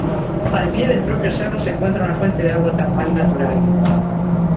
Al pie del propio cerro se encuentra una fuente de agua termal natural.